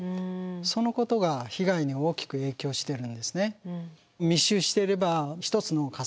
そのことが被害に大きく影響してるんですね。